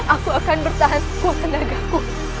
aku akan bertahan sekuat tenagaku